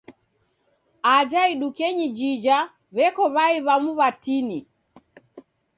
Aja idukenyi jija, w'eko w'ai wamu w'atini.